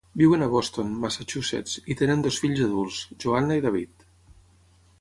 Viuen a Boston, Massachusetts, i tenen dos fills adults, Joanna i David.